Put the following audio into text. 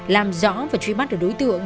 làm rõ và truy bắt được đối tượng